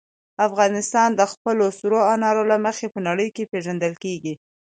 افغانستان د خپلو سرو انارو له مخې په نړۍ کې پېژندل کېږي.